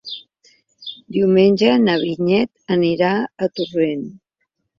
Diumenge na Vinyet anirà a Torrent.